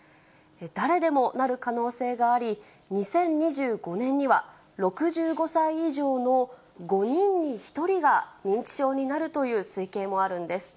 誰でもなる可能性があり、２０２５年には、６５歳以上の５人に１人が認知症になるという推計もあるんです。